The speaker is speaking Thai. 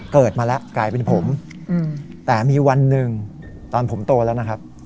เกิดมาแล้วกลายเป็นผมแต่มีวันหนึ่งตอนผมโตแล้วนะครับ